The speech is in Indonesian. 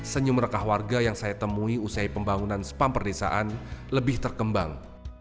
senyum rekah warga yang saya temui usai pembangunan spam perdesaan lebih terkembang